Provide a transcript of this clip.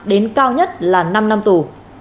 đến cao nhất là năm năm tù